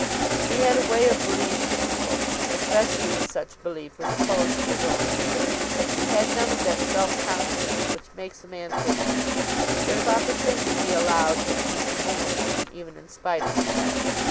He had a way of believing people, especially when such belief was opposed to his own interests, and had none of that self confidence which makes a man think that if opportunity be allowed him he can win a woman even in spite of herself.